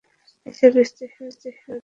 এসব স্টেশনে যাত্রীরা ওঠানামা করেন।